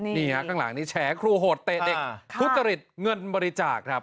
นี่ฮะข้างหลังนี้แฉครูโหดเตะเด็กทุจริตเงินบริจาคครับ